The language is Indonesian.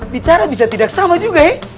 bicara bisa tidak sama juga ya